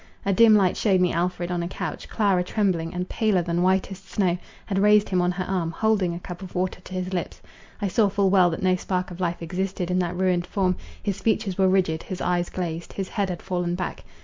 A dim light shewed me Alfred on a couch; Clara trembling, and paler than whitest snow, had raised him on her arm, holding a cup of water to his lips. I saw full well that no spark of life existed in that ruined form, his features were rigid, his eyes glazed, his head had fallen back.